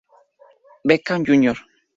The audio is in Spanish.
Beckham Jr.